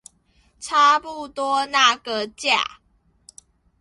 差不多那個價